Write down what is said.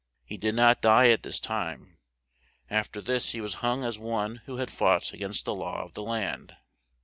He did not die at this time; af ter this he was hung as one who had fought a gainst the law of his land.